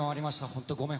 本当ごめん。